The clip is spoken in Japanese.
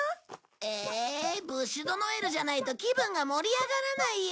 ええブッシュドノエルじゃないと気分が盛り上がらないよ。